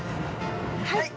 はい！